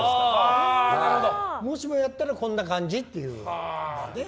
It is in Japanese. もしもやったらこんな感じっていうね。